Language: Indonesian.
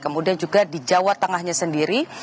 kemudian juga di jawa tengahnya sendiri